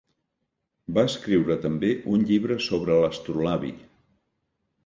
Va escriure també un llibre sobre l'astrolabi.